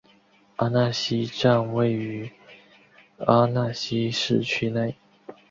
阿讷西站位于阿讷西市区内。